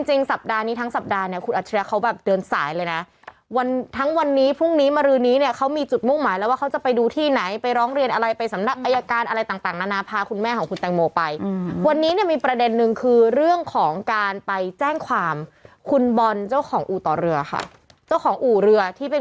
สัปดาห์นี้ทั้งสัปดาห์เนี่ยคุณอัจฉริยะเขาแบบเดินสายเลยนะวันทั้งวันนี้พรุ่งนี้มารือนี้เนี่ยเขามีจุดมุ่งหมายแล้วว่าเขาจะไปดูที่ไหนไปร้องเรียนอะไรไปสำนักอายการอะไรต่างนานาพาคุณแม่ของคุณแตงโมไปวันนี้เนี่ยมีประเด็นนึงคือเรื่องของการไปแจ้งความคุณบอลเจ้าของอู่ต่อเรือค่ะเจ้าของอู่เรือที่เป็น